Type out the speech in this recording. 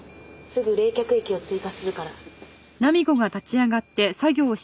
すぐ冷却液を追加するから。